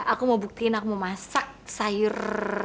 aku mau buktiin aku masak sayur